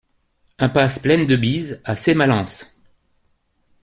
Impasse Plaine de Bise à Sémalens